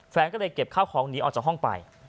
แฟนก็เลยเก็บข้าวของหนีออกจากห้องไป